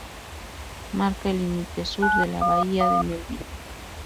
Marca el límite sur de la bahía de Melville.